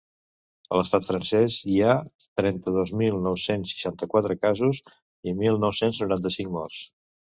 A l’estat francès hi ha trenta-dos mil nou-cents seixanta-quatre casos i mil nou-cents noranta-cinc morts.